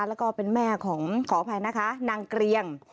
แล้วก็เป็นแม่ของขออภัยนะคะนางเกรียง